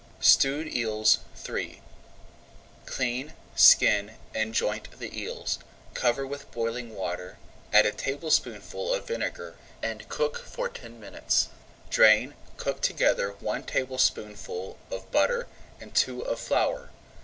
STEWED EELS III Clean, skin, and joint the eels. Cover with boiling water, add a tablespoonful of vinegar, and cook for ten minutes. Drain, cook together one tablespoonful of butter and two of flour.